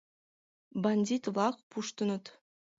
Бандит-влак пуштыныт.